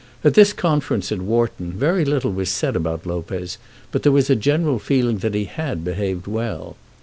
At this conference at Wharton very little was said about Lopez, but there was a general feeling that he had behaved well.